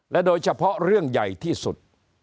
โดยเฉพาะเรื่องใหญ่ที่สุด